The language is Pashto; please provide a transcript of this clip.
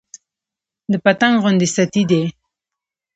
د پتنګ غوندې ستي دى